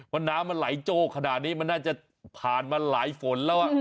น้ำมันไหลโจ้ขนาดนี้มันน่าจะผ่านมาหลายฝนแล้ว